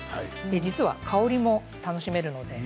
実は香りも楽しめるので。